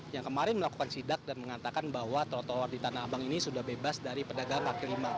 yang kemarin melakukan sidak dan mengatakan bahwa trotoar di tanah abang ini sudah bebas dari pedagang kaki lima